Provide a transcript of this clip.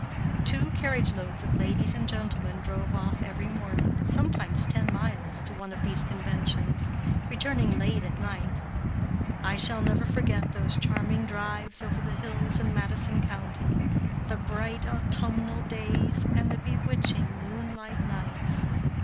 Two carriage loads of ladies and gentlemen drove off every morning, sometimes ten miles, to one of these conventions, returning late at night. I shall never forget those charming drives over the hills in Madison County, the bright autumnal days, and the bewitching moonlight nights.